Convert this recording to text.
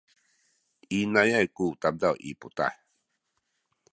inayay ku tademaw i putah.